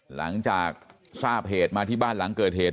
หลังจากทราบเหตุมาที่บ้านหลังเกิดเหตุ